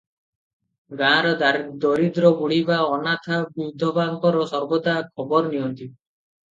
ଗାଁର ଦରିଦ୍ର ବୁଢ଼ୀ ବା ଅନାଥା ବିଧବାଙ୍କର ସର୍ବଦା ଖବର ନିଅନ୍ତି ।